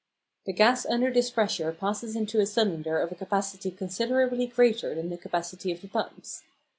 The gas under this pressure passes into a cylinder of a capacity considerably greater than the capacity of the pumps.